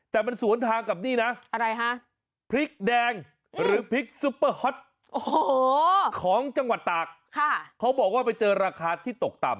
แต่มันสวนทางกับนี่นะอะไรฮะพริกแดงหรือพริกซุปเปอร์ฮอตของจังหวัดตากเขาบอกว่าไปเจอราคาที่ตกต่ำ